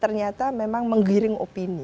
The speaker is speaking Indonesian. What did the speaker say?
ternyata memang menggiring opini